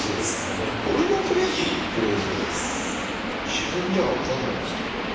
自分では分かんないですけどね。